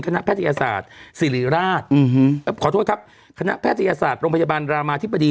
แพทยศาสตร์ศิริราชขอโทษครับคณะแพทยศาสตร์โรงพยาบาลรามาธิบดี